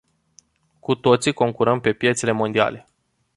Cu toții concurăm pe piețele mondiale.